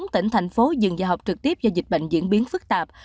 bốn tỉnh thành phố dừng dạy học trực tiếp do dịch bệnh diễn biến phức tạp